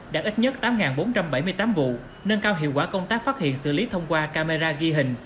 đạt ít nhất tám bốn trăm bảy mươi tám vụ nâng cao hiệu quả công tác phát hiện xử lý thông qua camera ghi hình